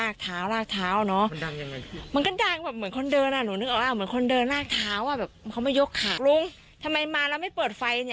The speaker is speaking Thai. กันไม่มาเลยเดี๋ยวว่าลูกค้าอีกพักหนึ่งมาใหม่น่ะกัน